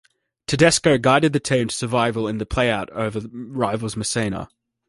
Tedesco guided the team to survival in the playout over rivals Messina.